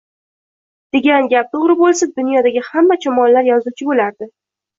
degan gap to’g’ri bo’lsa, dunyodagi hamma chumolilar yozuvchi bo’lardi!